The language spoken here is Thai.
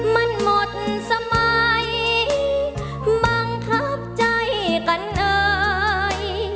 มันหมดสมัยบังคับใจกันเอ่ย